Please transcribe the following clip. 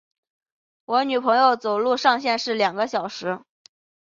我女友走路上限是两小时